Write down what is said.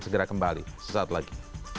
segera kembali sesaat lagi